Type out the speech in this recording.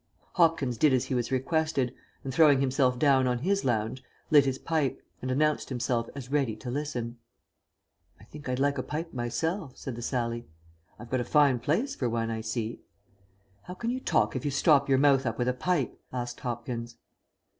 Hopkins did as he was requested, and, throwing himself down on his lounge, lit his pipe, and announced himself as ready to listen. "I think I'd like a pipe myself," said the Sallie. "I've got a fine place for one, I see." "How can you talk if you stop your mouth up with a pipe?" asked Hopkins.